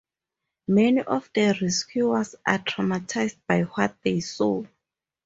Many of the rescuers are traumatized by what they saw.